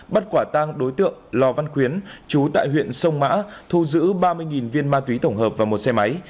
bắt quả tang đối tượng lò văn khuyến chú tại huyện sông mã thu giữ ba mươi viên ma túy tổng hợp và một xe máy